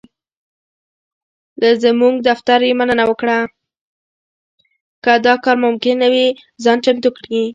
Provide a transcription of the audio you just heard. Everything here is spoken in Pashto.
که دا کار ممکن نه وي ځان چمتو کړي.